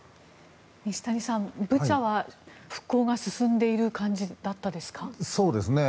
西谷さん、ブチャは復興が進んでいる感じでしたか？